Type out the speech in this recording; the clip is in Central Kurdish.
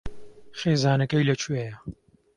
خێزانەکەی لەکوێیە؟